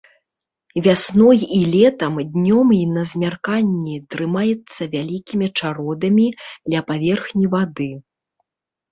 Вясной і летам, днём і на змярканні трымаецца вялікімі чародамі ля паверхні вады.